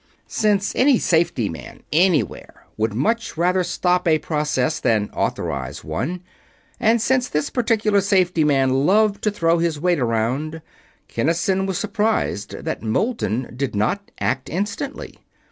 Since any safety man, anywhere, would much rather stop a process than authorize one, and since this particular safety man loved to throw his weight around, Kinnison was surprised that Moulton did not act instantly.